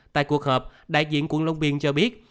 tại cuộc họp đại diện quận long biên cho biết